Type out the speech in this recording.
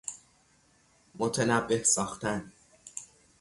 متنبه ساختن